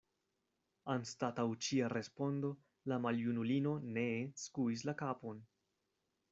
Anstataŭ ĉia respondo la maljunulino nee skuis la kapon.